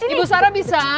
ibu sarah bisa